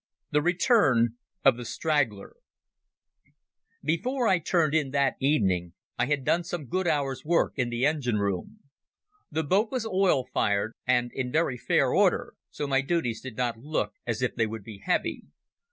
The Return of the Straggler Before I turned in that evening I had done some good hours' work in the engine room. The boat was oil fired, and in very fair order, so my duties did not look as if they would be heavy.